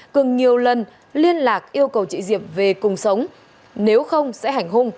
cường nhiều lần liên lạc yêu cầu chị diệm về cùng sống nếu không sẽ hành hung